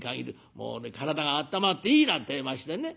もうね体があったまっていいなんてえ言いましてね」。